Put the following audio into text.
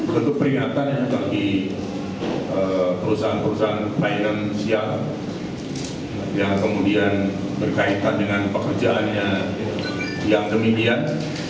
bentuk peringatan yang terjadi perusahaan perusahaan finansial yang kemudian berkaitan dengan pekerjaannya yang demikian